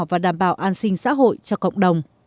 và đảm bảo an sinh xã hội cho cộng đồng